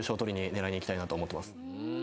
狙いにいきたいなと思ってます。